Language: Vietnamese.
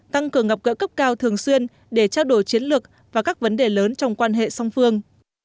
tăng cường gặp gỡ cấp cao thường xuyên để trao đổi chiến lược và các vấn đề lớn trong quan hệ song phương